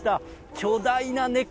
巨大な猫！